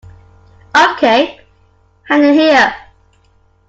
Okay, hand it here.